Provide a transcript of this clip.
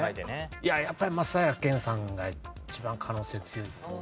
いややっぱり松平健さんが一番可能性強いと。